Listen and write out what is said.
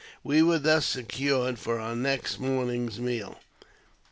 We w^ere thus secure for our next morning's meal.